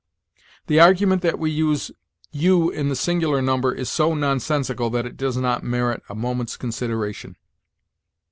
The argument that we use you in the singular number is so nonsensical that it does not merit a moment's consideration.